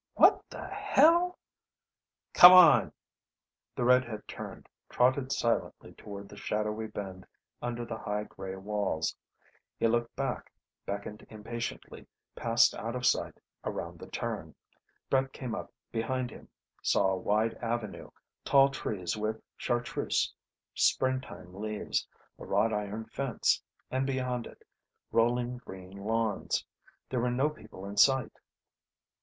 "What the hell...!" "Come on!" The red head turned, trotted silently toward the shadowy bend under the high grey walls. He looked back, beckoned impatiently, passed out of sight around the turn Brett came up behind him, saw a wide avenue, tall trees with chartreuse springtime leaves, a wrought iron fence, and beyond it, rolling green lawns. There were no people in sight.